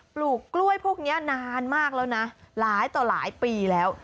ปลูกกล้วยพวกนี้นานมากแล้วนะหลายต่อหลายปีแล้ว